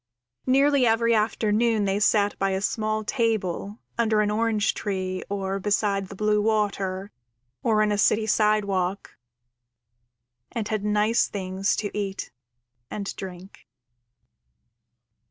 Nearly every afternoon they sat by a small table under an orange tree, or beside the blue water, or on a city sidewalk, and had nice things to eat and drink.